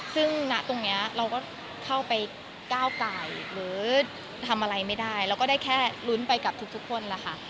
ซึ่งณตรงนี้เราก็เข้าไปก้าวไก่หรือทำอะไรไม่ได้เราก็ได้แค่ลุ้นไปกับทุกคนล่ะค่ะ